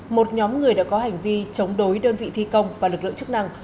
một nhóm người đã có hành vi chống đối đơn vị thi công và lực lượng chức năng